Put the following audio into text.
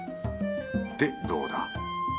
でどうだ。